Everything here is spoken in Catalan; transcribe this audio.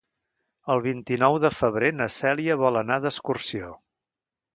El vint-i-nou de febrer na Cèlia vol anar d'excursió.